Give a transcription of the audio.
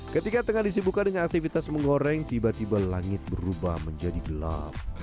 ketika tengah disibukan dengan aktivitas menggoreng tiba tiba langit berubah menjadi gelap